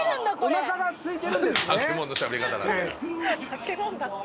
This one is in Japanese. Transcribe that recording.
おなかがすいてるんですね。